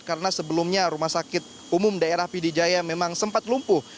karena sebelumnya rumah sakit umum daerah pidi jaya memang sempat lumpuh